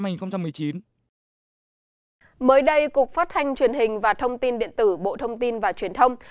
mới đây cục phát thanh truyền hình và thông tin điện tử bộ thông tin và truyền thông